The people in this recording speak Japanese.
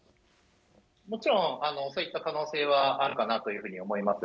もちろん、そういった可能性はあるかなというふうに思います。